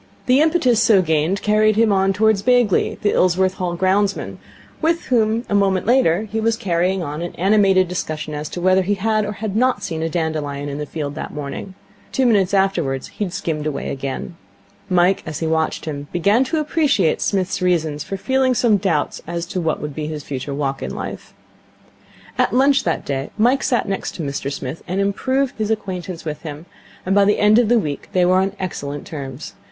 The impetus so gained carried him on towards Bagley, the Ilsworth Hall ground man, with whom a moment later he was carrying on an animated discussion as to whether he had or had not seen a dandelion on the field that morning. Two minutes afterwards he had skimmed away again. Mike, as he watched him, began to appreciate Psmith's reasons for feeling some doubt as to what would be his future walk in life. At lunch that day Mike sat next to Mr Smith, and improved his acquaintance with him; and by the end of the week they were on excellent terms.